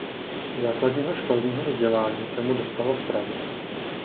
Základního školního vzdělání se mu dostalo v Praze.